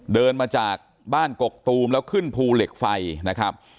เดินมาจากบ้านกกตูมแล้วขึ้นภูเหล็กไฟนะครับ